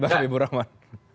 bagaimana ibu rahman